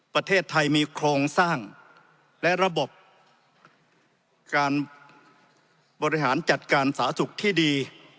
ประเทศไทยมีโครงสร้างและระบบการบริหารจัดการสาธารณสุขที่ดี